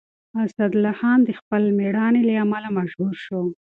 اسدالله خان د خپل مېړانې له امله مشهور شو.